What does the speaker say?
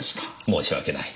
申し訳ない。